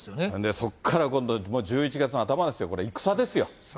そこから今度１１月の頭ですよ、これ、戦ですよ。